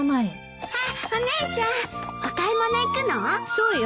そうよ。